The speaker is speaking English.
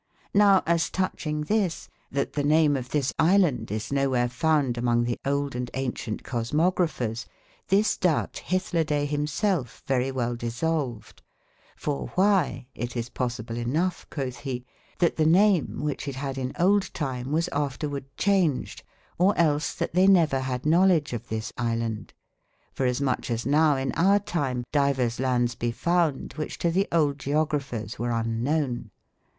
j^^^O^H as touching this, that the flSj|^I| name of this yland is nowhere omfMit founde amonge the olde & aun cient cosmographers, this doubte f)yth/ loday himselfe verie well dissolved, for why ,itis possible cnoughe, quodhe, that the name, whiche it had in olde time was afterwarde chaunged, or elles that they never had knowledge of this iland : for asmuch as now in our time divers landes be found which to the olde geograph ers were unknowen.